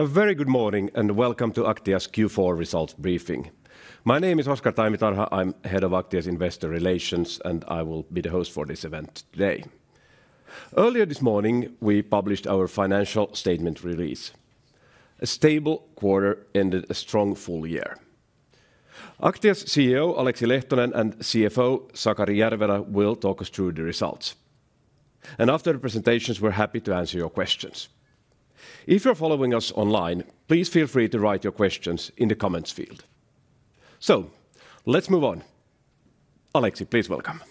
A very good morning and welcome to Aktia's Q4 results briefing. My name is Oscar Taimitarha. I'm head of Aktia's investor relations, and I will be the host for this event today. Earlier this morning, we published our financial statement release. A stable quarter ended a strong full year. Aktia's CEO, Aleksi Lehtonen, and CFO, Sakari Järvelä, will talk us through the results. And after the presentations, we're happy to answer your questions. If you're following us online, please feel free to write your questions in the comments field. So, let's move on. Aleksi, please welcome.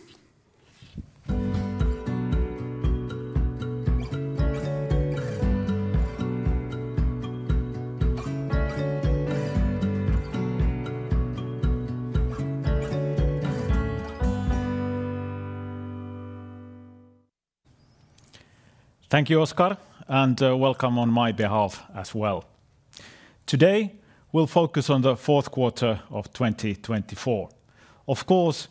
Thank you, Oscar, and welcome on my behalf as well. Today, we'll focus on the fourth quarter of 2024. Of course,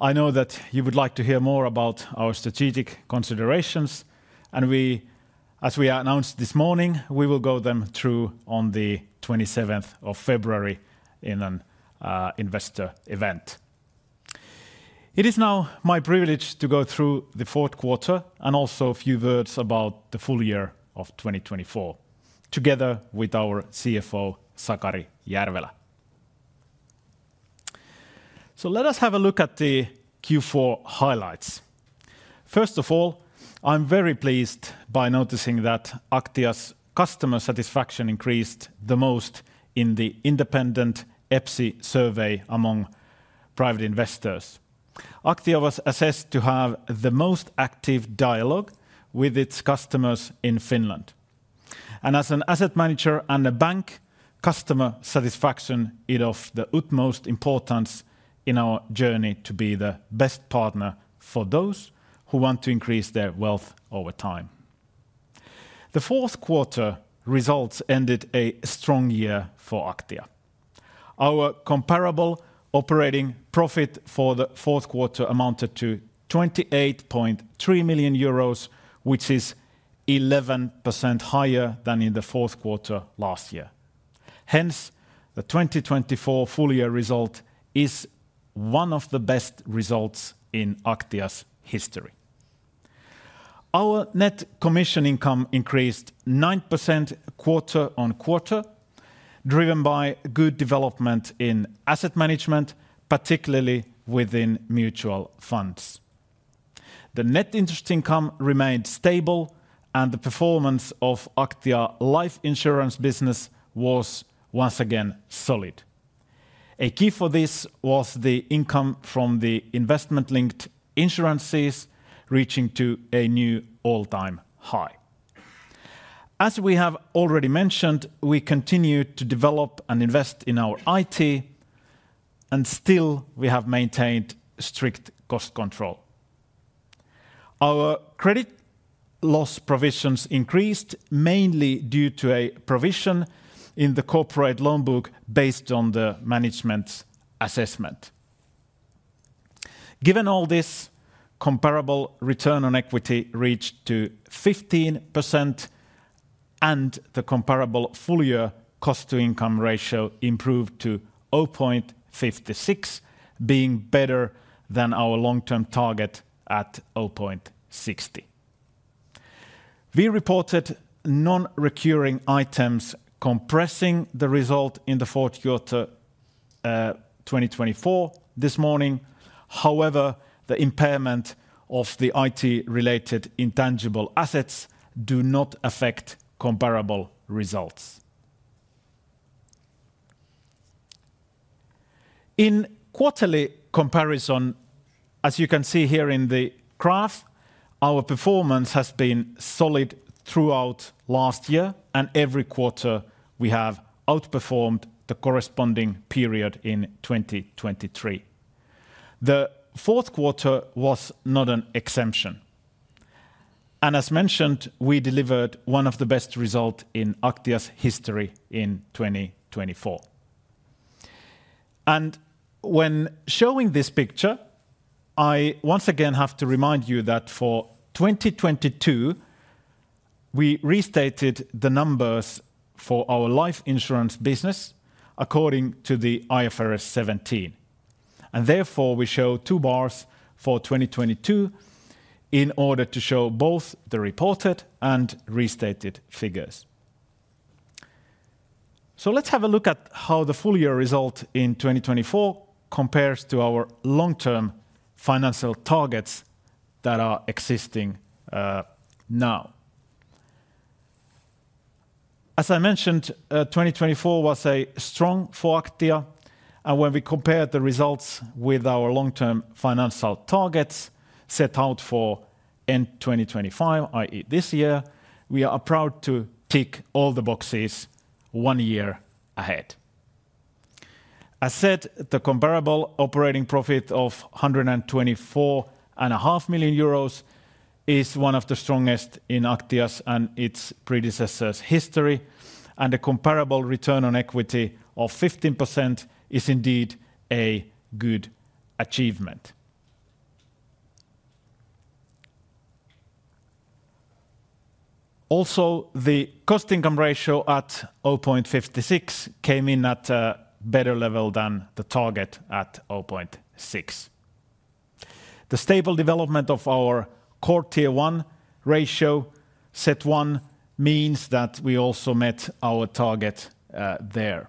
I know that you would like to hear more about our strategic considerations, and as we announced this morning, we will go through them on the 27th of February in an investor event. It is now my privilege to go through the fourth quarter and also a few words about the full year of 2024, together with our CFO, Sakari Järvelä. So let us have a look at the Q4 highlights. First of all, I'm very pleased by noticing that Aktia's customer satisfaction increased the most in the independent EPSI survey among private investors. Aktia was assessed to have the most active dialogue with its customers in Finland. And as an asset manager and a bank, customer satisfaction is of the utmost importance in our journey to be the best partner for those who want to increase their wealth over time. The fourth quarter results ended a strong year for Aktia. Our comparable operating profit for the fourth quarter amounted to 28.3 million euros, which is 11% higher than in the fourth quarter last year. Hence, the 2024 full year result is one of the best results in Aktia's history. Our net commission income increased 9% quarter on quarter, driven by good development in asset management, particularly within mutual funds. The net interest income remained stable, and the performance of Aktia's life insurance business was once again solid. A key for this was the income from the investment-linked insurances reaching to a new all-time high. As we have already mentioned, we continue to develop and invest in our IT, and still we have maintained strict cost control. Our credit loss provisions increased mainly due to a provision in the corporate loan book based on the management's assessment. Given all this, comparable return on equity reached 15%, and the comparable full year cost-to-income ratio improved to 0.56, being better than our long-term target at 0.60. We reported non-recurring items compressing the result in the fourth quarter 2024 this morning. However, the impairment of the IT-related intangible assets does not affect comparable results. In quarterly comparison, as you can see here in the graph, our performance has been solid throughout last year, and every quarter we have outperformed the corresponding period in 2023. The fourth quarter was not an exception, and as mentioned, we delivered one of the best results in Aktia's history in 2024. When showing this picture, I once again have to remind you that for 2022, we restated the numbers for our life insurance business according to the IFRS 17. Therefore, we show two bars for 2022 in order to show both the reported and restated figures. Let's have a look at how the full year result in 2024 compares to our long-term financial targets that are existing now. As I mentioned, 2024 was a strong for Aktia, and when we compared the results with our long-term financial targets set out for end 2025, i.e., this year, we are proud to tick all the boxes one year ahead. As said, the comparable operating profit of 124.5 million euros is one of the strongest in Aktia's and its predecessors' history, and the comparable return on equity of 15% is indeed a good achievement. Also, the cost-to-income ratio at 0.56 came in at a better level than the target at 0.6. The stable development of our CET1 ratio means that we also met our target there.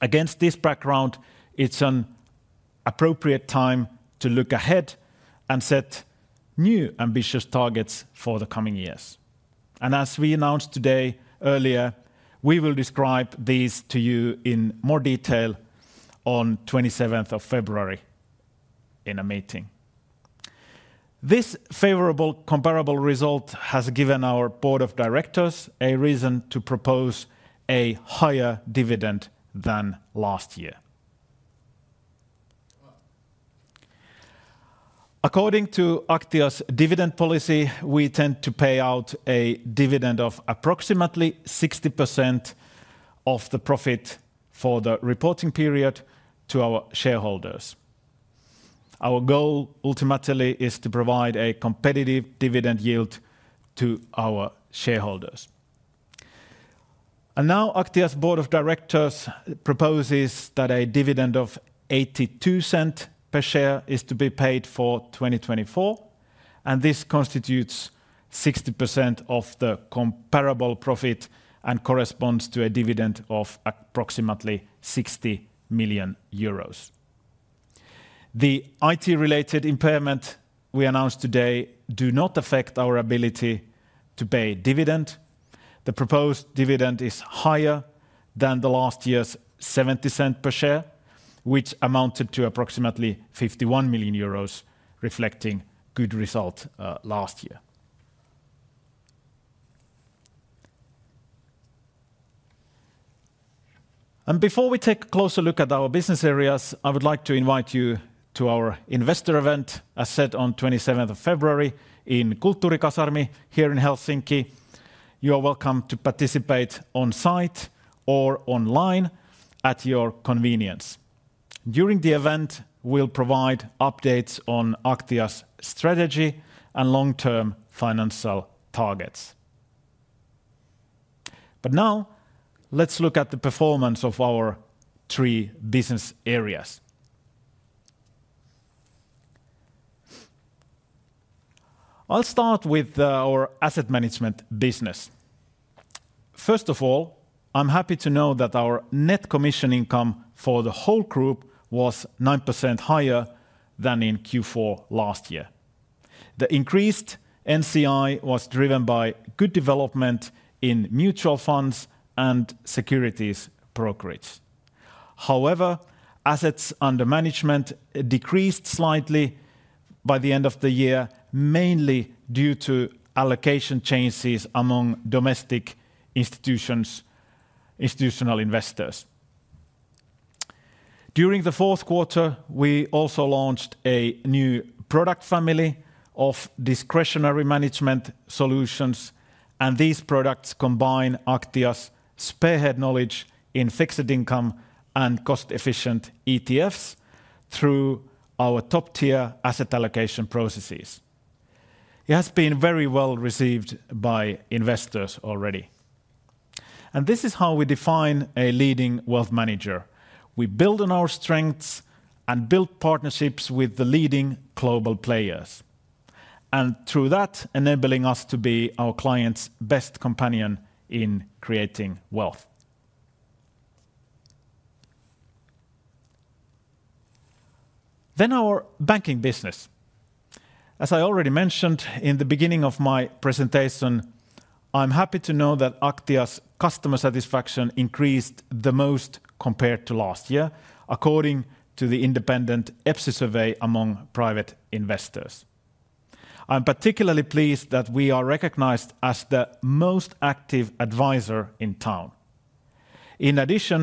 Against this background, it's an appropriate time to look ahead and set new ambitious targets for the coming years. As we announced earlier today, we will describe these to you in more detail on the 27th of February in a meeting. This favorable comparable result has given our board of directors a reason to propose a higher dividend than last year. According to Aktia's dividend policy, we tend to pay out a dividend of approximately 60% of the profit for the reporting period to our shareholders. Our goal ultimately is to provide a competitive dividend yield to our shareholders. Aktia's board of directors proposes that a dividend of 0.82 per share is to be paid for 2024, and this constitutes 60% of the comparable profit and corresponds to a dividend of approximately 60 million euros. The IT-related impairment we announced today does not affect our ability to pay dividend. The proposed dividend is higher than last year's 0.70 per share, which amounted to approximately 51 million euros, reflecting good results last year. Before we take a closer look at our business areas, I would like to invite you to our investor event, as said on the 27th of February in Kulttuurikasarmi here in Helsinki. You are welcome to participate on site or online at your convenience. During the event, we'll provide updates on Aktia's strategy and long-term financial targets. Now, let's look at the performance of our three business areas. I'll start with our asset management business. First of all, I'm happy to know that our net commission income for the whole group was 9% higher than in Q4 last year. The increased NCI was driven by good development in mutual funds and securities brokerage. However, assets under management decreased slightly by the end of the year, mainly due to allocation changes among domestic institutional investors. During the fourth quarter, we also launched a new product family of discretionary management solutions, and these products combine Aktia's spearhead knowledge in fixed income and cost-efficient ETFs through our top-tier asset allocation processes. It has been very well received by investors already, and this is how we define a leading wealth manager. We build on our strengths and build partnerships with the leading global players, and through that, enabling us to be our client's best companion in creating wealth, then our banking business. As I already mentioned in the beginning of my presentation, I'm happy to know that Aktia's customer satisfaction increased the most compared to last year, according to the independent EPSI survey among private investors. I'm particularly pleased that we are recognized as the most active advisor in town. In addition,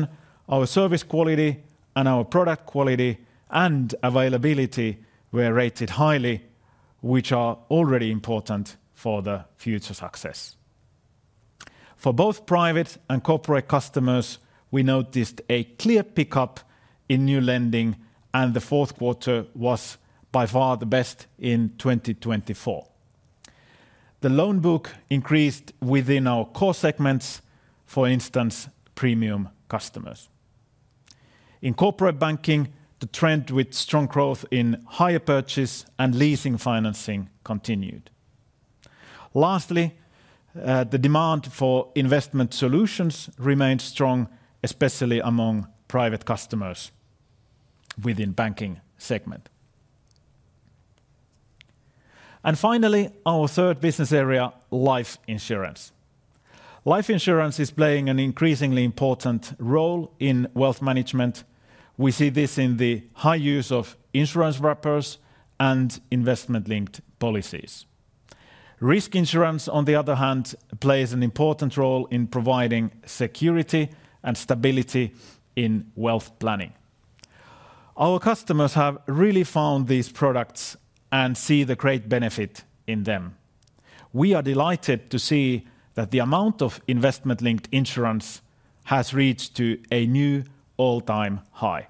our service quality and our product quality and availability were rated highly, which are already important for the future success. For both private and corporate customers, we noticed a clear pickup in new lending, and the fourth quarter was by far the best in 2024. The loan book increased within our core segments, for instance, premium customers. In corporate banking, the trend with strong growth in hire purchase and leasing financing continued. Lastly, the demand for investment solutions remained strong, especially among private customers within the banking segment. And finally, our third business area, life insurance. Life insurance is playing an increasingly important role in wealth management. We see this in the high use of insurance wrappers and investment-linked policies. Risk insurance, on the other hand, plays an important role in providing security and stability in wealth planning. Our customers have really found these products and see the great benefit in them. We are delighted to see that the amount of investment-linked insurance has reached a new all-time high.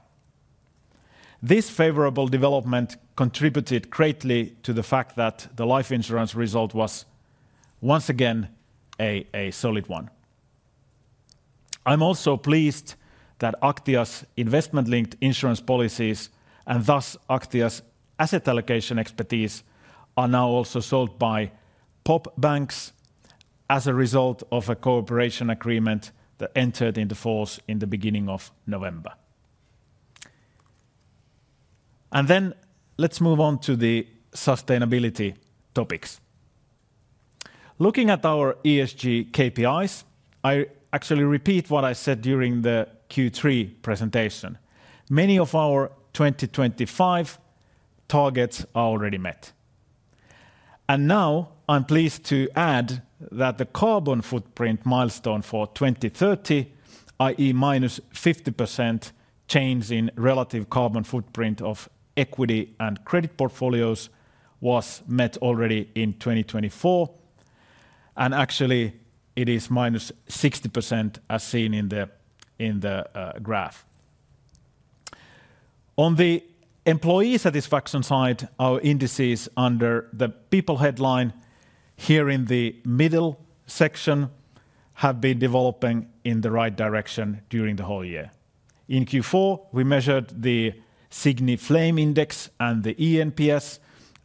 This favorable development contributed greatly to the fact that the life insurance result was once again a solid one. I'm also pleased that Aktia's investment-linked insurance policies and thus Aktia's asset allocation expertise are now also sold by POP banks as a result of a cooperation agreement that entered into force in the beginning of November. And then let's move on to the sustainability topics. Looking at our ESG KPIs, I actually repeat what I said during the Q3 presentation. Many of our 2025 targets are already met. And now I'm pleased to add that the carbon footprint milestone for 2030, i.e., minus 50% change in relative carbon footprint of equity and credit portfolios was met already in 2024. And actually, it is minus 60% as seen in the graph. On the employee satisfaction side, our indices under the people headline here in the middle section have been developing in the right direction during the whole year. In Q4, we measured the Siqni index and the eNPS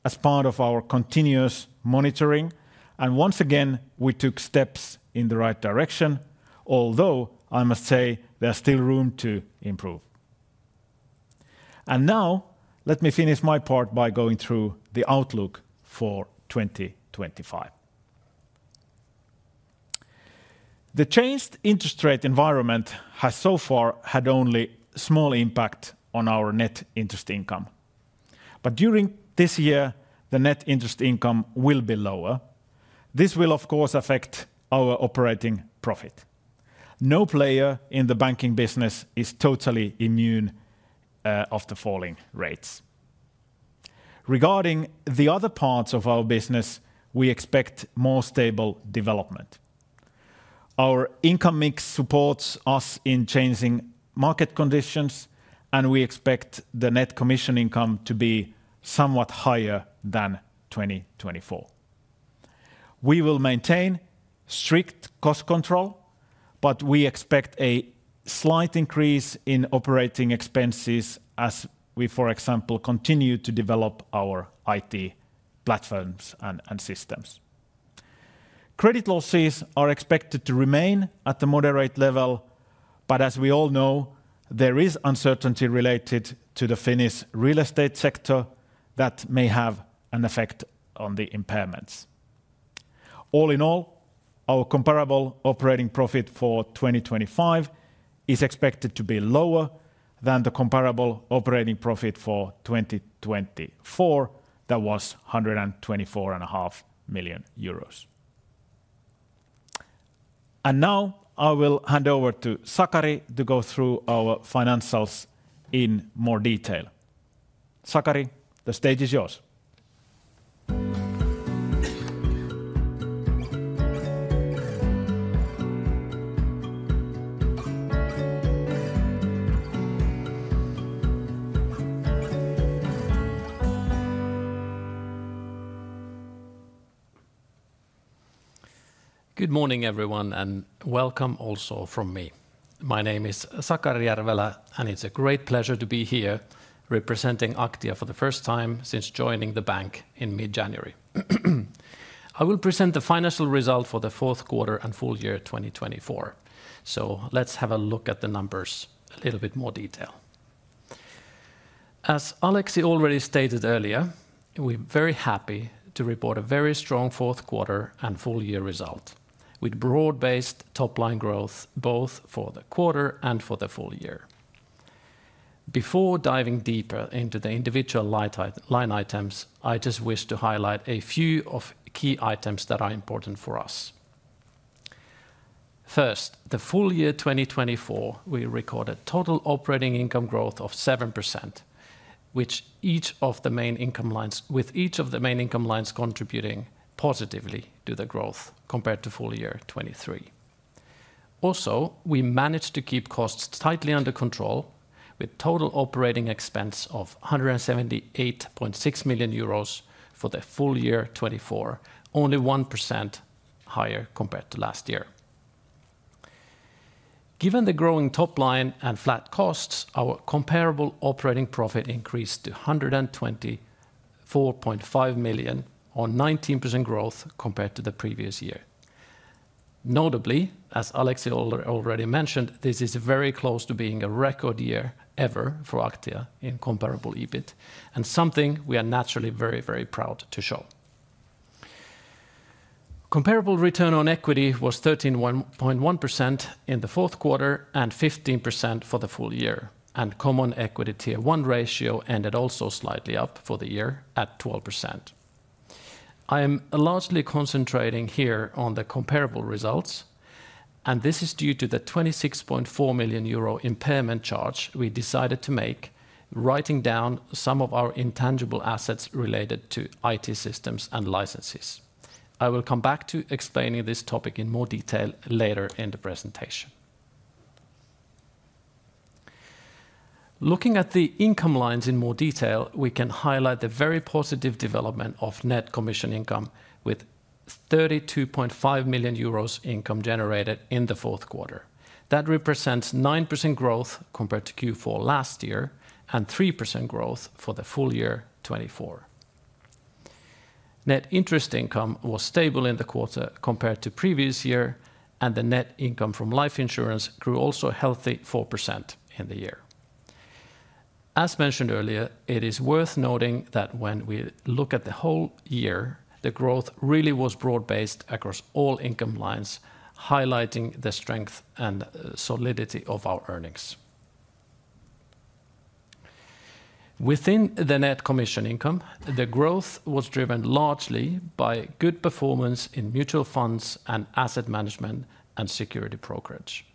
as part of our continuous monitoring. And once again, we took steps in the right direction, although I must say there's still room to improve. And now let me finish my part by going through the outlook for 2025. The changed interest rate environment has so far had only a small impact on our net interest income. But during this year, the net interest income will be lower. This will, of course, affect our operating profit. No player in the banking business is totally immune of the falling rates. Regarding the other parts of our business, we expect more stable development. Our income mix supports us in changing market conditions, and we expect the net commission income to be somewhat higher than 2024. We will maintain strict cost control, but we expect a slight increase in operating expenses as we, for example, continue to develop our IT platforms and systems. Credit losses are expected to remain at a moderate level, but as we all know, there is uncertainty related to the Finnish real estate sector that may have an effect on the impairments. All in all, our comparable operating profit for 2025 is expected to be lower than the comparable operating profit for 2024, that was EUR 124.5 million. And now I will hand over to Sakari to go through our financials in more detail. Sakari, the stage is yours. Good morning, everyone, and welcome also from me. My name is Sakari Järvelä, and it's a great pleasure to be here representing Aktia for the first time since joining the bank in mid-January. I will present the financial result for the fourth quarter and full year 2024. So let's have a look at the numbers a little bit more detail. As Aleksi already stated earlier, we're very happy to report a very strong fourth quarter and full year result with broad-based top-line growth both for the quarter and for the full year. Before diving deeper into the individual line items, I just wish to highlight a few key items that are important for us. First, the full year 2024, we recorded total operating income growth of 7%, with each of the main income lines contributing positively to the growth compared to full year 2023. Also, we managed to keep costs tightly under control with total operating expense of 178.6 million euros for the full year 2024, only 1% higher compared to last year. Given the growing top line and flat costs, our comparable operating profit increased to 124.5 million EUR or 19% growth compared to the previous year. Notably, as Aleksi already mentioned, this is very close to being a record year ever for Aktia in comparable EBIT, and something we are naturally very, very proud to show. Comparable return on equity was 13.1% in the fourth quarter and 15% for the full year, and Common Equity Tier 1 ratio ended also slightly up for the year at 12%. I am largely concentrating here on the comparable results, and this is due to the 26.4 million euro impairment charge we decided to make, writing down some of our intangible assets related to IT systems and licenses. I will come back to explaining this topic in more detail later in the presentation. Looking at the income lines in more detail, we can highlight the very positive development of Net Commission Income with 32.5 million euros income generated in the fourth quarter. That represents 9% growth compared to Q4 last year and 3% growth for the full year 2024. Net interest income was stable in the quarter compared to previous year, and the net income from life insurance grew also healthy 4% in the year. As mentioned earlier, it is worth noting that when we look at the whole year, the growth really was broad-based across all income lines, highlighting the strength and solidity of our earnings. Within the net commission income, the growth was driven largely by good performance in mutual funds and asset management and security brokerage.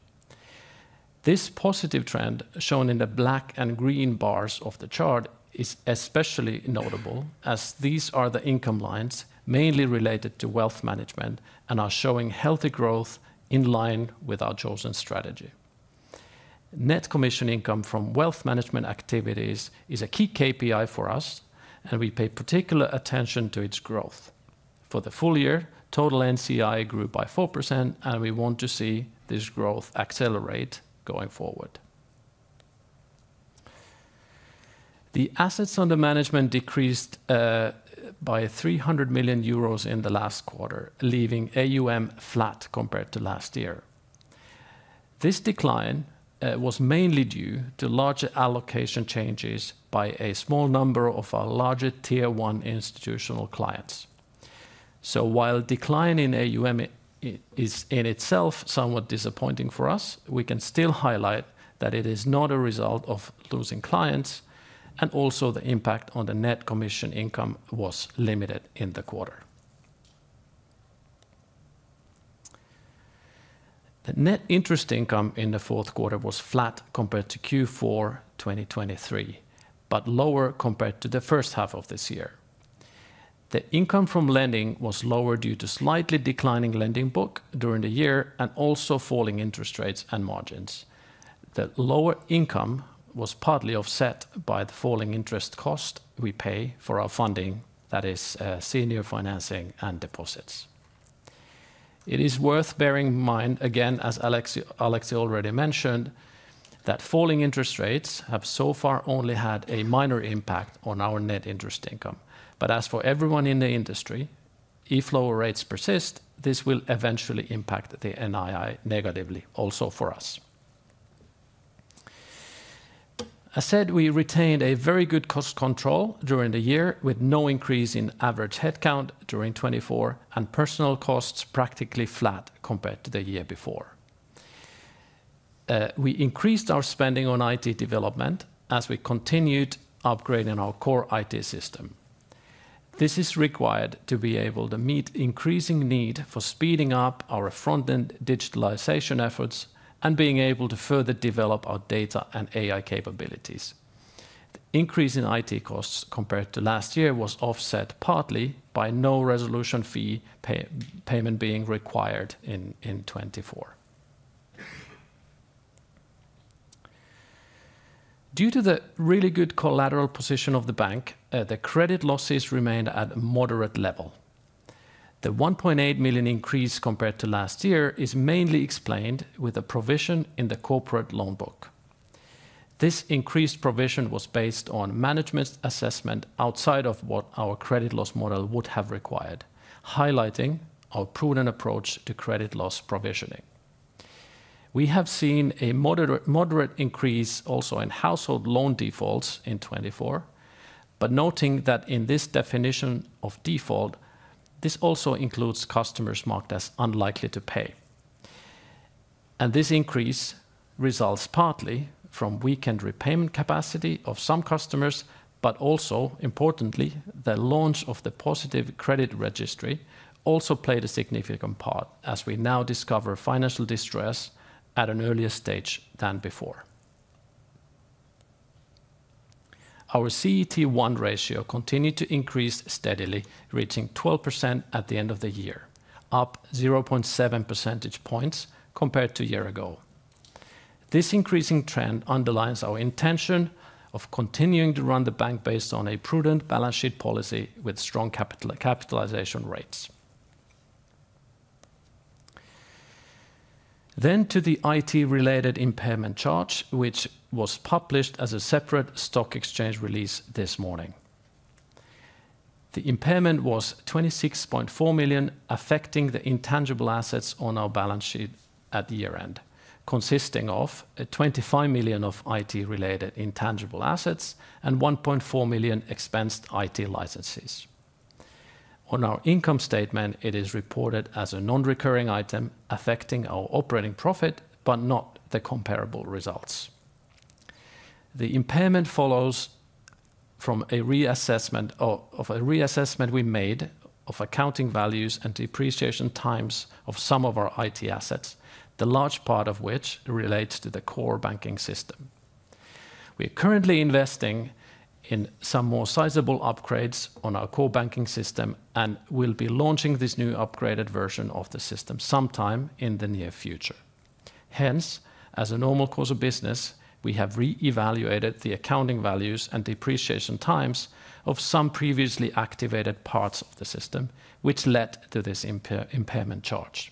This positive trend shown in the black and green bars of the chart is especially notable as these are the income lines mainly related to wealth management and are showing healthy growth in line with our chosen strategy. Net commission income from wealth management activities is a key KPI for us, and we pay particular attention to its growth. For the full year, total NCI grew by 4%, and we want to see this growth accelerate going forward. The assets under management decreased by 300 million euros in the last quarter, leaving AUM flat compared to last year. This decline was mainly due to larger allocation changes by a small number of our larger Tier 1 institutional clients. So while decline in AUM is in itself somewhat disappointing for us, we can still highlight that it is not a result of losing clients, and also the impact on the net commission income was limited in the quarter. The net interest income in the fourth quarter was flat compared to Q4 2023, but lower compared to the first half of this year. The income from lending was lower due to slightly declining lending book during the year and also falling interest rates and margins. The lower income was partly offset by the falling interest cost we pay for our funding, that is, senior financing and deposits. It is worth bearing in mind, again, as Aleksi already mentioned, that falling interest rates have so far only had a minor impact on our net interest income, but as for everyone in the industry, if lower rates persist, this will eventually impact the NII negatively also for us. As said, we retained a very good cost control during the year with no increase in average headcount during 2024 and personnel costs practically flat compared to the year before. We increased our spending on IT development as we continued upgrading our core IT system. This is required to be able to meet increasing need for speeding up our front-end digitalization efforts and being able to further develop our data and AI capabilities. The increase in IT costs compared to last year was offset partly by no resolution fee payment being required in 2024. Due to the really good collateral position of the bank, the credit losses remained at a moderate level. The 1.8 million increase compared to last year is mainly explained with a provision in the corporate loan book. This increased provision was based on management assessment outside of what our credit loss model would have required, highlighting our prudent approach to credit loss provisioning. We have seen a moderate increase also in household loan defaults in 2024, but noting that in this definition of default, this also includes customers marked as unlikely to pay. This increase results partly from weakened repayment capacity of some customers, but also, importantly, the launch of the Positive Credit Registry also played a significant part as we now discover financial distress at an earlier stage than before. Our CET1 ratio continued to increase steadily, reaching 12% at the end of the year, up 0.7 percentage points compared to a year ago. This increasing trend underlines our intention of continuing to run the bank based on a prudent balance sheet policy with strong capitalization rates. To the IT-related impairment charge, which was published as a separate stock exchange release this morning. The impairment was 26.4 million affecting the intangible assets on our balance sheet at the year-end, consisting of 25 million of IT-related intangible assets and 1.4 million expensed IT licenses. On our income statement, it is reported as a non-recurring item affecting our operating profit, but not the comparable results. The impairment follows from a reassessment we made of accounting values and depreciation times of some of our IT assets, the large part of which relates to the core banking system. We are currently investing in some more sizable upgrades on our core banking system and will be launching this new upgraded version of the system sometime in the near future. Hence, as a normal course of business, we have re-evaluated the accounting values and depreciation times of some previously activated parts of the system, which led to this impairment charge.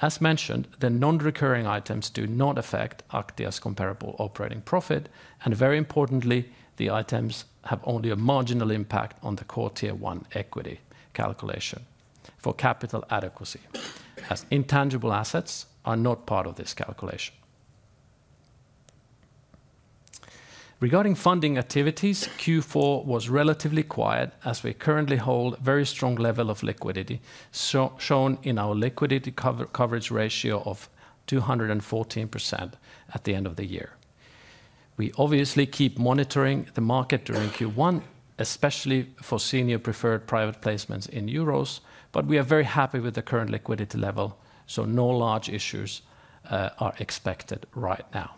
As mentioned, the non-recurring items do not affect Aktia's comparable operating profit, and very importantly, the items have only a marginal impact on the core tier one equity calculation for capital adequacy, as intangible assets are not part of this calculation. Regarding funding activities, Q4 was relatively quiet as we currently hold a very strong level of liquidity shown in our liquidity coverage ratio of 214% at the end of the year. We obviously keep monitoring the market during Q1, especially for senior preferred private placements in euros, but we are very happy with the current liquidity level, so no large issues are expected right now.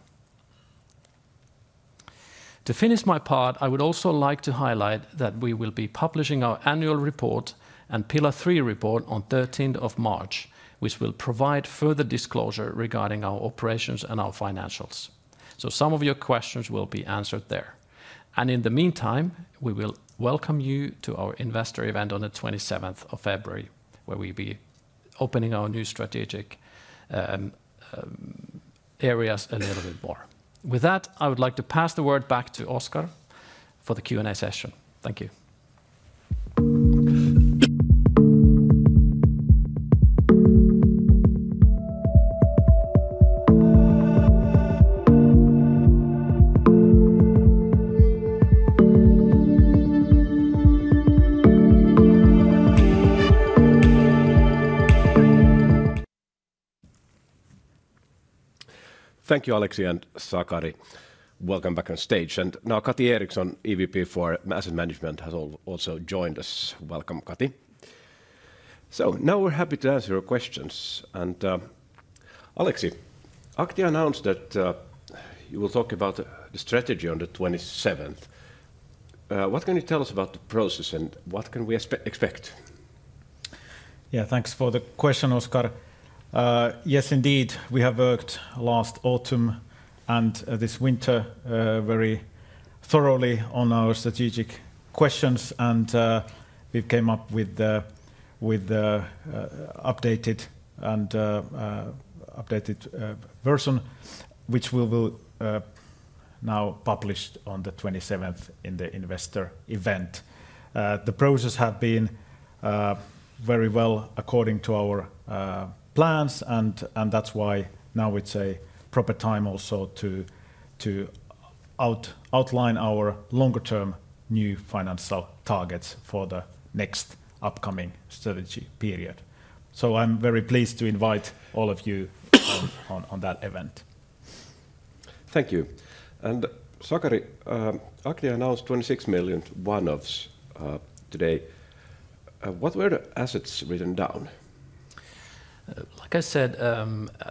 To finish my part, I would also like to highlight that we will be publishing our annual report and Pillar 3 Report on 13 March, which will provide further disclosure regarding our operations and our financials. Some of your questions will be answered there. In the meantime, we will welcome you to our investor event on the 27th of February, where we'll be opening our new strategic areas a little bit more. With that, I would like to pass the word back to Oscar for the Q&A session. Thank you. Thank you, Aleksi and Sakari. Welcome back on stage. Now Kati Eriksson, EVP for Asset Management, has also joined us. Welcome, Kati. Now we're happy to answer your questions. Aleksi, Aktia announced that you will talk about the strategy on the 27th. What can you tell us about the process and what can we expect? Yeah, thanks for the question, Oscar. Yes, indeed, we have worked last autumn and this winter very thoroughly on our strategic questions, and we've come up with the updated version which we will now publish on the 27th in the investor event. The process has been very well according to our plans, and that's why now it's a proper time also to outline our longer-term new financial targets for the next upcoming strategy period. So I'm very pleased to invite all of you on that event. Thank you. Sakari, Aktia announced 26 million one-offs today. What were the assets written down? Like I said,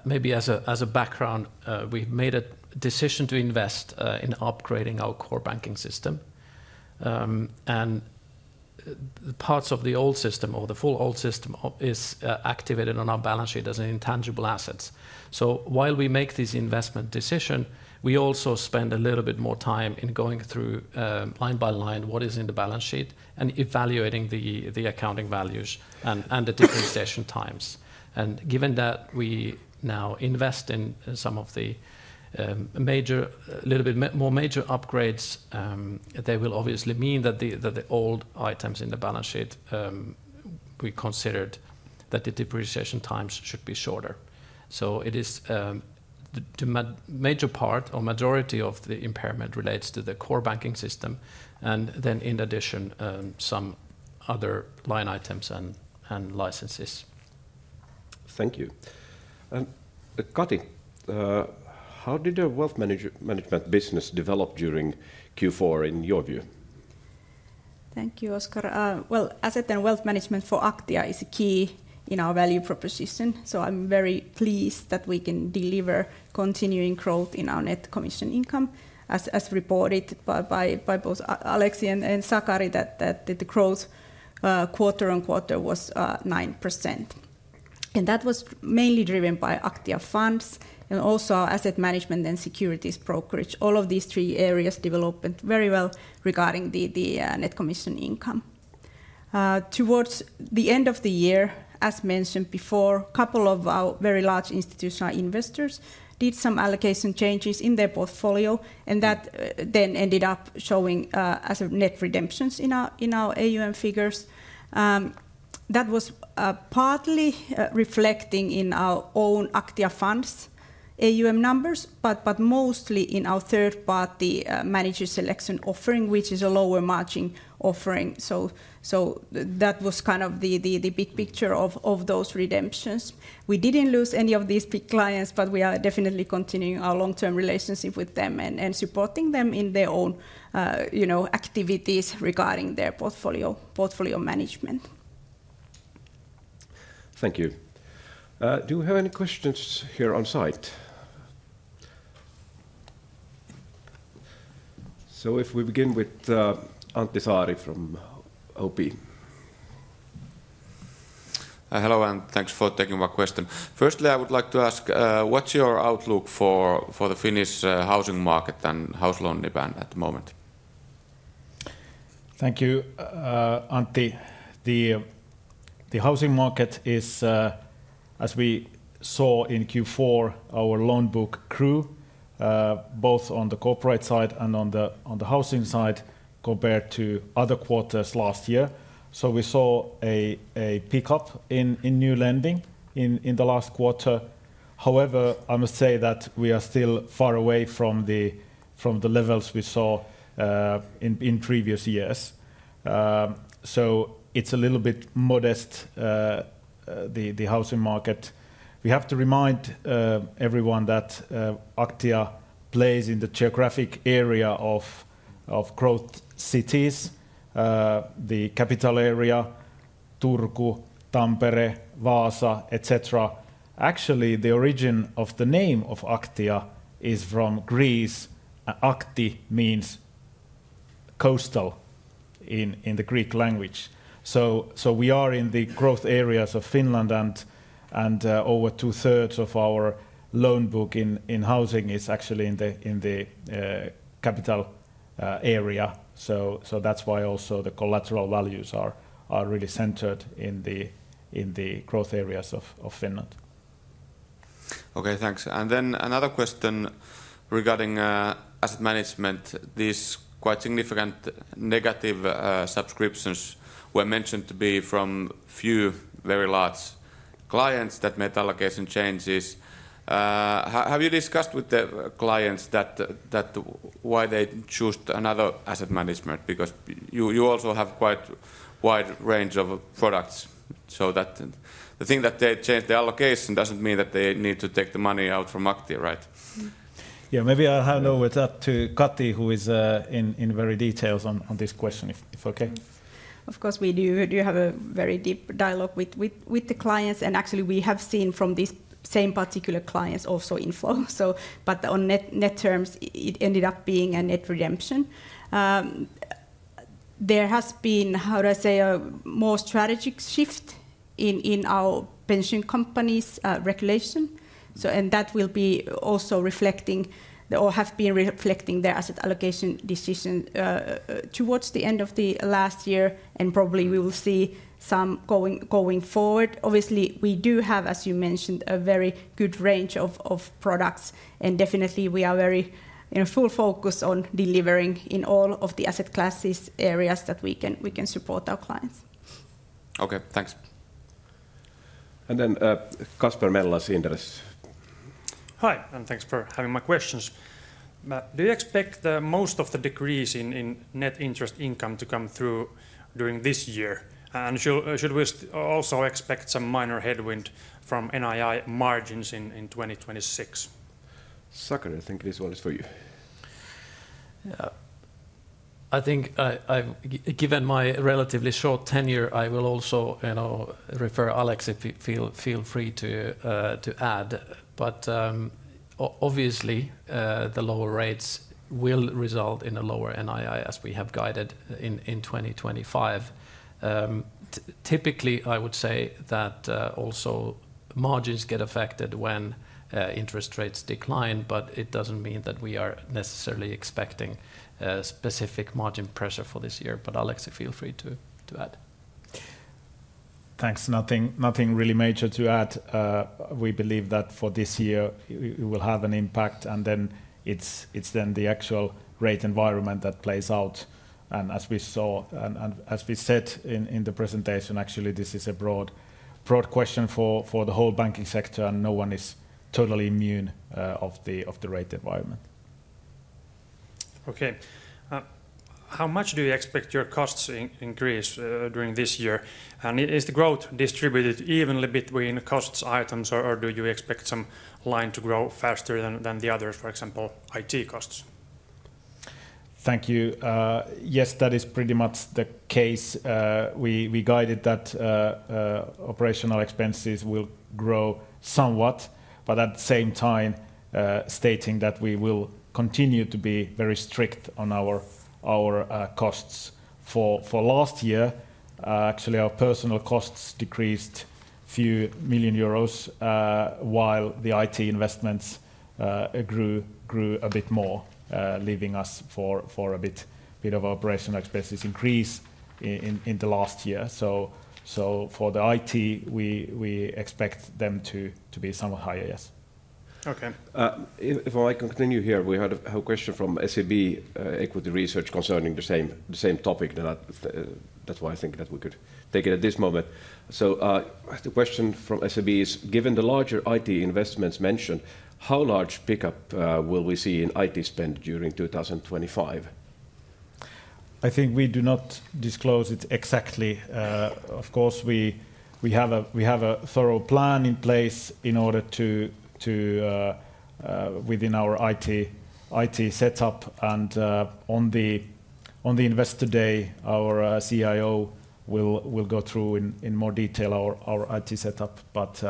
maybe as a background, we made a decision to invest in upgrading our core banking system. And the parts of the old system or the full old system is activated on our balance sheet as intangible assets. So while we make this investment decision, we also spend a little bit more time in going through line by line what is in the balance sheet and evaluating the accounting values and the depreciation times. And given that we now invest in some of the major upgrades, they will obviously mean that the old items in the balance sheet, we considered that the depreciation times should be shorter. So it is the major part or majority of the impairment relates to the core banking system, and then in addition, some other line items and licenses. Thank you. And Kati, how did your wealth management business develop during Q4 in your view? Thank you, Oscar. Well, asset and wealth management for Aktia is key in our value proposition. So I'm very pleased that we can deliver continuing growth in our net commission income. As reported by both Aleksi and Sakari, the growth quarter on quarter was 9%, and that was mainly driven by Aktia funds and also our asset management and securities brokerage. All of these three areas developed very well regarding the net commission income. Towards the end of the year, as mentioned before, a couple of our very large institutional investors did some allocation changes in their portfolio, and that then ended up showing as net redemptions in our AUM figures. That was partly reflecting in our own Aktia funds AUM numbers, but mostly in our third-party manager selection offering, which is a lower margin offering, so that was kind of the big picture of those redemptions. We didn't lose any of these big clients, but we are definitely continuing our long-term relationship with them and supporting them in their own activities regarding their portfolio management. Thank you. Do you have any questions here on site? So if we begin with Antti Saari from OP. Hello and thanks for taking my question. Firstly, I would like to ask, what's your outlook for the Finnish housing market and house loan demand at the moment? Thank you, Antti. The housing market is, as we saw in Q4, our loan book grew both on the corporate side and on the housing side compared to other quarters last year. So we saw a pickup in new lending in the last quarter. However, I must say that we are still far away from the levels we saw in previous years. So it's a little bit modest, the housing market. We have to remind everyone that Aktia plays in the geographic area of growth cities, the capital area, Turku, Tampere, Vaasa, etc. Actually, the origin of the name of Aktia is from Greece. Akti means coastal in the Greek language. So we are in the growth areas of Finland, and over two-thirds of our loan book in housing is actually in the capital area. So that's why also the collateral values are really centered in the growth areas of Finland. Okay, thanks. And then another question regarding asset management. These quite significant negative subscriptions were mentioned to be from few very large clients that made allocation changes. Have you discussed with the clients why they chose another asset management? Because you also have quite a wide range of products. So the thing that they changed the allocation doesn't mean that they need to take the money out from Aktia, right? Yeah, maybe I'll hand over that to Kati, who is in very detail on this question, if okay. Of course, we do have a very deep dialogue with the clients, and actually we have seen from these same particular clients also inflow. But on net terms, it ended up being a net redemption. There has been, how do I say, a more strategic shift in our pension companies' regulation. And that will be also reflecting or have been reflecting their asset allocation decision towards the end of the last year, and probably we will see some going forward. Obviously, we do have, as you mentioned, a very good range of products, and definitely we are very full focus on delivering in all of the asset classes areas that we can support our clients. Okay, thanks. And then Kasper Mellas, Inderes. Hi, and thanks for having my questions. Do you expect most of the decrease in net interest income to come through during this year? Should we also expect some minor headwind from NII margins in 2026? Sakari, I think this one is for you. I think given my relatively short tenure, I will also refer Aleksi, if you feel free to add. But obviously, the lower rates will result in a lower NII, as we have guided in 2025. Typically, I would say that also margins get affected when interest rates decline, but it doesn't mean that we are necessarily expecting specific margin pressure for this year. But Aleksi, feel free to add. Thanks. Nothing really major to add. We believe that for this year, it will have an impact, and then it's the actual rate environment that plays out. As we saw, and as we said in the presentation, actually this is a broad question for the whole banking sector, and no one is totally immune of the rate environment. Okay. How much do you expect your costs to increase during this year? And is the growth distributed evenly between cost items, or do you expect some line to grow faster than the others, for example, IT costs? Thank you. Yes, that is pretty much the case. We guided that operational expenses will grow somewhat, but at the same time, stating that we will continue to be very strict on our costs. For last year, actually our personnel costs decreased a few million euros, while the IT investments grew a bit more, leaving us with a bit of operational expenses increase in the last year. So for the IT, we expect them to be somewhat higher, yes. Okay. If I can continue here, we had a question from SEB Equity Research concerning the same topic. That's why I think that we could take it at this moment. So the question from SEB is, given the larger IT investments mentioned, how large pickup will we see in IT spend during 2025? I think we do not disclose it exactly. Of course, we have a thorough plan in place in order to within our IT setup. And on the Investor Day, our CIO will go through in more detail our IT setup. But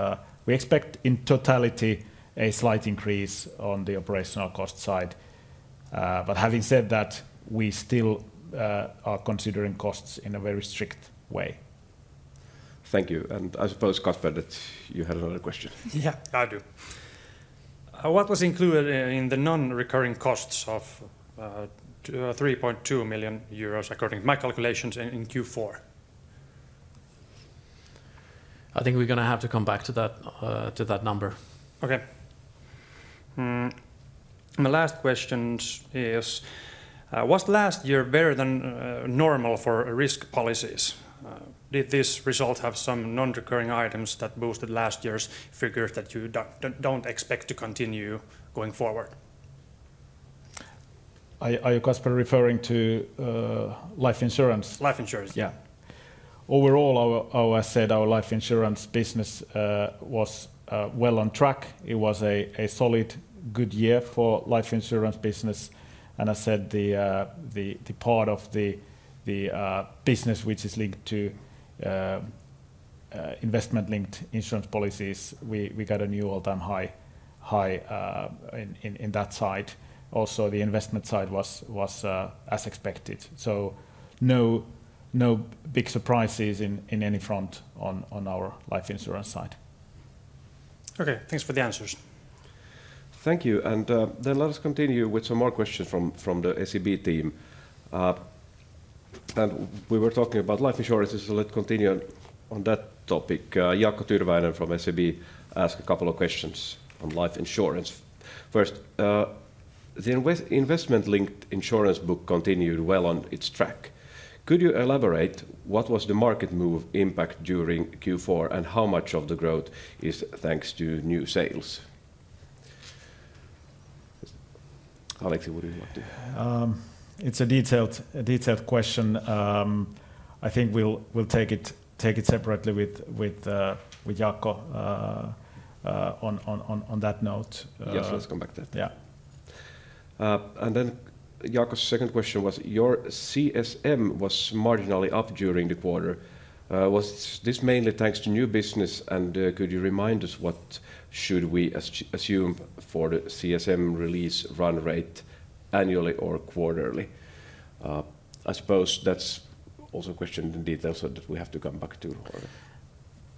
we expect in totality a slight increase on the operational cost side. But having said that, we still are considering costs in a very strict way. Thank you. And I suppose, Kasper, that you had another question. Yeah, I do. What was included in the non-recurring costs of 3.2 million euros, according to my calculations, in Q4? I think we're going to have to come back to that number. Okay. My last question is, was last year better than normal for risk policies? Did this result have some non-recurring items that boosted last year's figures that you don't expect to continue going forward? Are you, Kasper, referring to life insurance? Life insurance, yeah. Overall, I would say our life insurance business was well on track. It was a solid, good year for life insurance business. And I said the part of the business which is linked to investment-linked insurance policies. We got a new all-time high in that side. Also, the investment side was as expected. So no big surprises in any front on our life insurance side. Okay, thanks for the answers. Thank you. And then let us continue with some more questions from the SEB team. And we were talking about life insurance, so let's continue on that topic. Jaakko Tyrväinen from SEB asked a couple of questions on life insurance. First, the investment-linked insurance book continued well on its track. Could you elaborate what was the market move impact during Q4 and how much of the growth is thanks to new sales? Aleksi, you would like to. It's a detailed question. I think we'll take it separately with Jaakko on that note. Yes, let's come back to that. Yeah. And then Jaakko's second question was, your CSM was marginally up during the quarter. Was this mainly thanks to new business, and could you remind us what should we assume for the CSM release run rate annually or quarterly? I suppose that's also a question in detail that we have to come back to.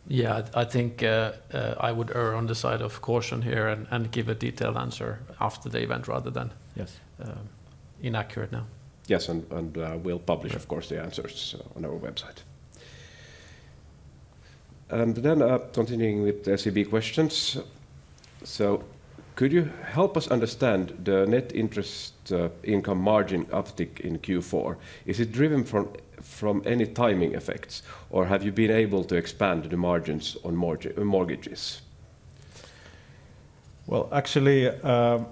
Yeah, I think I would err on the side of caution here and give a detailed answer after the event rather than inaccurate now. Yes, and we'll publish, of course, the answers on our website. And then continuing with the SEB questions. Could you help us understand the net interest income margin uptick in Q4? Is it driven from any timing effects, or have you been able to expand the margins on mortgages? Well, actually,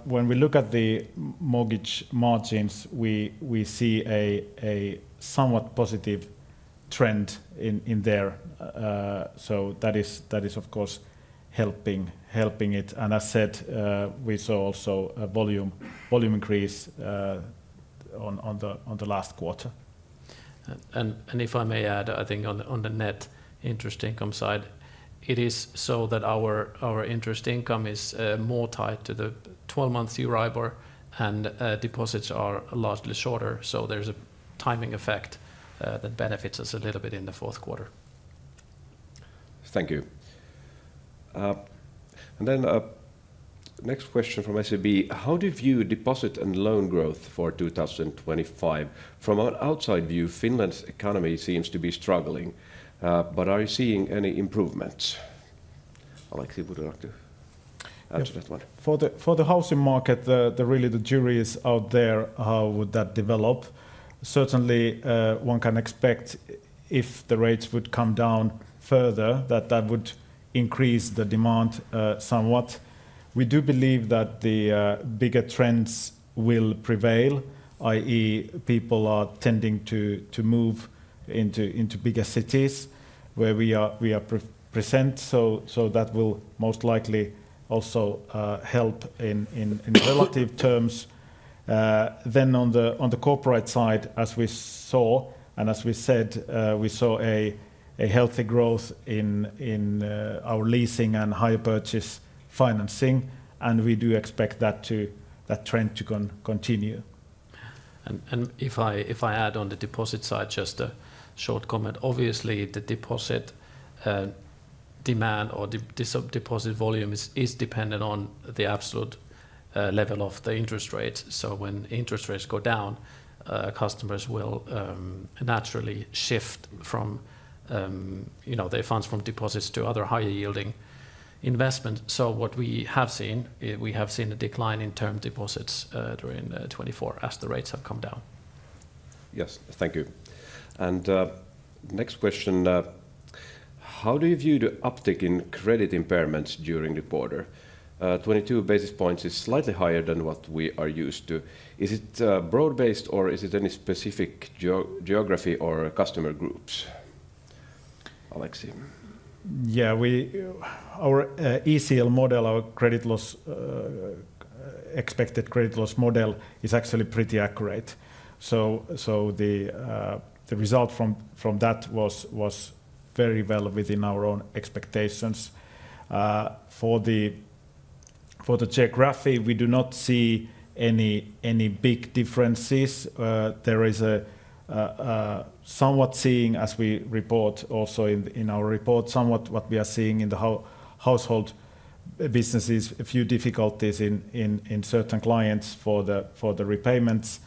when we look at the mortgage margins, we see a somewhat positive trend in there. So that is, of course, helping it. And as said, we saw also a volume increase on the last quarter. And if I may add, I think on the net interest income side, it is so that our interest income is more tied to the 12-month Euribor, and deposits are largely shorter. So there's a timing effect that benefits us a little bit in the fourth quarter. Thank you. And then next question from SEB, how do you view deposit and loan growth for 2025? From an outside view, Finland's economy seems to be struggling, but are you seeing any improvements? Aleksi, you would like to answer that one. For the housing market, really the jury is out there how that develops. Certainly, one can expect if the rates would come down further, that that would increase the demand somewhat. We do believe that the bigger trends will prevail, i.e., people are tending to move into bigger cities where we are present. So that will most likely also help in relative terms. Then on the corporate side, as we saw, and as we said, we saw a healthy growth in our leasing and hire purchase financing, and we do expect that trend to continue. And if I add on the deposit side, just a short comment. Obviously, the deposit demand or the deposit volume is dependent on the absolute level of the interest rate. When interest rates go down, customers will naturally shift their funds from deposits to other higher-yielding investments. What we have seen is a decline in term deposits during 2024 as the rates have come down. Yes, thank you. Next question: how do you view the uptick in credit impairments during the quarter? 22 basis points is slightly higher than what we are used to. Is it broad-based, or is it any specific geography or customer groups? Aleksi. Yeah, our ECL model, our expected credit loss model, is actually pretty accurate. The result from that was very well within our own expectations. For the geography, we do not see any big differences. There is somewhat what we are seeing in the household businesses, as we report also in our report, a few difficulties in certain clients for the repayments.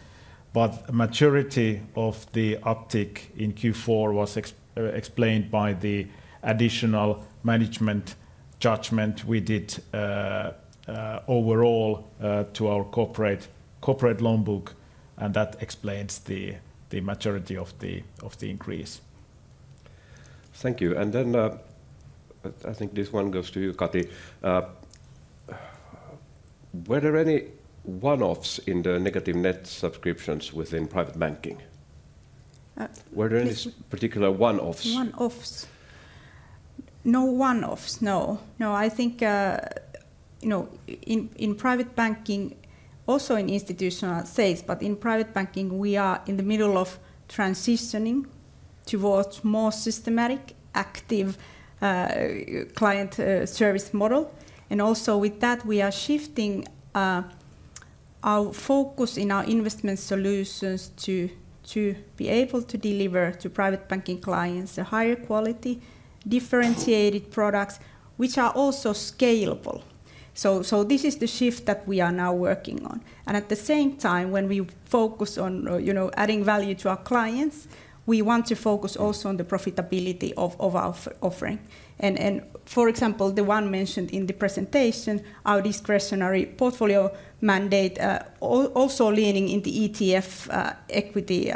But the maturity of the uptick in Q4 was explained by the additional management judgment we did overall to our corporate loan book, and that explains the maturity of the increase. Thank you. And then I think this one goes to you, Kati. Were there any one-offs in the negative net subscriptions within private banking? Were there any particular one-offs? One-offs? No one-offs, no. No, I think in private banking, also in institutional sales, but in private banking, we are in the middle of transitioning towards more systematic, active client service model. And also with that, we are shifting our focus in our investment solutions to be able to deliver to private banking clients a higher quality, differentiated products, which are also scalable. So this is the shift that we are now working on. And at the same time, when we focus on adding value to our clients, we want to focus also on the profitability of our offering. And for example, the one mentioned in the presentation, our discretionary portfolio mandate, also leaning in the ETF equity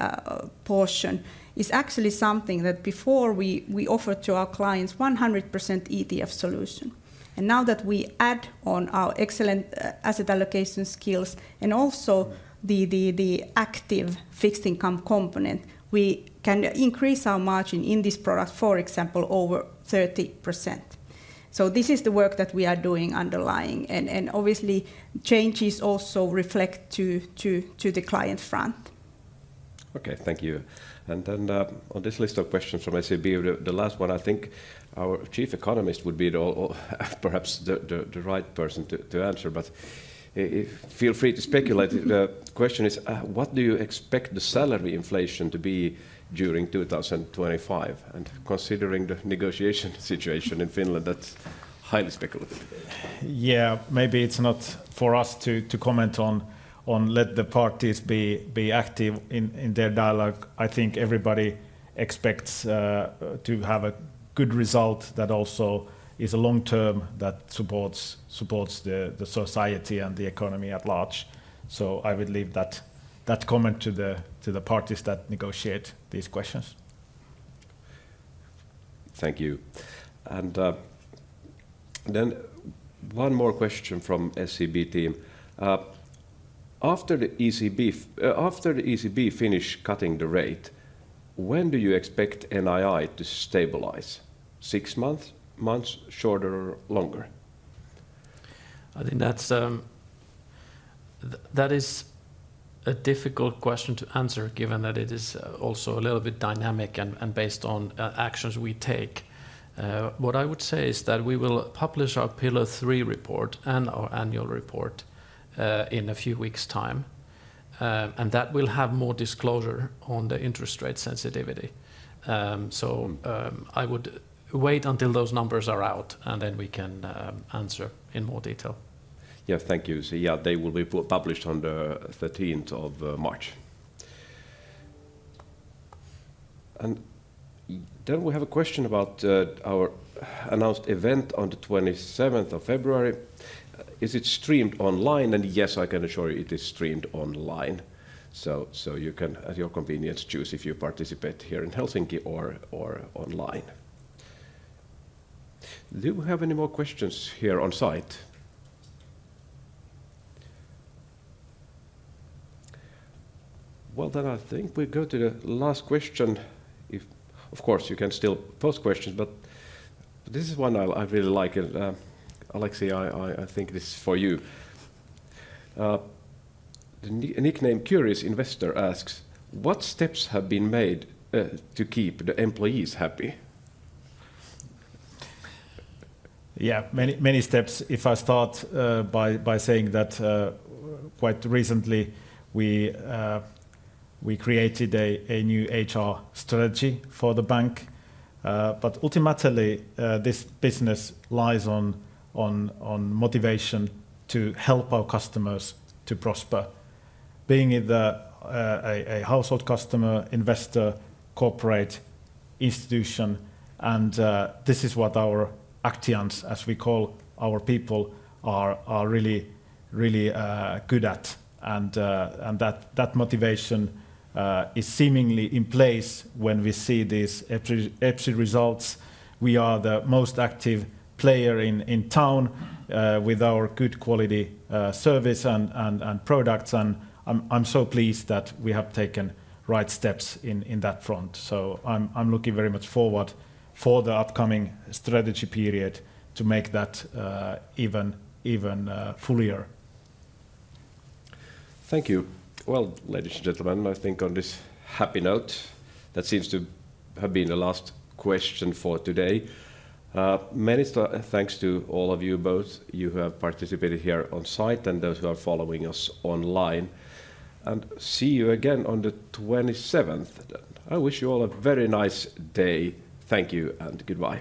portion, is actually something that before we offered to our clients 100% ETF solution. And now that we add on our excellent asset allocation skills and also the active fixed income component, we can increase our margin in this product, for example, over 30%. So this is the work that we are doing underlying. And obviously, changes also reflect to the client front. Okay, thank you. And then on this list of questions from SEB, the last one, I think our chief economist would be perhaps the right person to answer, but feel free to speculate. The question is, what do you expect the salary inflation to be during 2025? And considering the negotiation situation in Finland, that's highly speculative. Yeah, maybe it's not for us to comment on, let the parties be active in their dialogue. I think everybody expects to have a good result that also is long-term, that supports the society and the economy at large. So I would leave that comment to the parties that negotiate these questions. Thank you. And then one more question from SAB team. After the ECB finished cutting the rate, when do you expect NII to stabilize? Six months, shorter, or longer? I think that is a difficult question to answer, given that it is also a little bit dynamic and based on actions we take. What I would say is that we will publish our Pillar 3 Report and our annual report in a few weeks' time, and that will have more disclosure on the interest rate sensitivity, so I would wait until those numbers are out, and then we can answer in more detail. Yeah, thank you. So yeah, they will be published on the 13th of March, and then we have a question about our announced event on the 27th of February. Is it streamed online? And yes, I can assure you it is streamed online, so you can, at your convenience, choose if you participate here in Helsinki or online. Do we have any more questions here on site? Well, then I think we go to the last question. Of course, you can still post questions, but this is one I really like, and Alex, I think this is for you. The nickname Curious Investor asks, "What steps have been made to keep the employees happy?" Yeah, many steps. If I start by saying that quite recently, we created a new HR strategy for the bank. But ultimately, this business lies on motivation to help our customers to prosper. Being a household customer, investor, corporate institution, and this is what our Actians, as we call our people, are really good at. And that motivation is seemingly in place when we see these absolute results. We are the most active player in town with our good quality service and products. And I'm so pleased that we have taken right steps in that front. So I'm looking very much forward for the upcoming strategy period to make that even fuller. Thank you. Well, ladies and gentlemen, I think on this happy note, that seems to have been the last question for today. Many thanks to all of you both, you who have participated here on site and those who are following us online. And see you again on the 27th. I wish you all a very nice day. Thank you and goodbye.